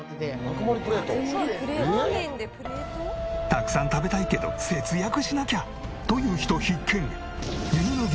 たくさん食べたいけど節約しなきゃという人必見！